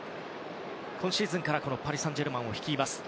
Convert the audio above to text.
今シーズンからこのパリ・サンジェルマンを率います。